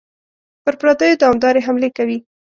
پر پردیو دوامدارې حملې کوي.